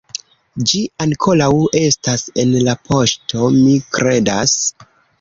Ĝi ankoraŭ estas en la poŝto, mi kredas